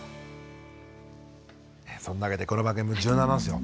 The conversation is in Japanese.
そんなわけでこの番組も柔軟なんですよ。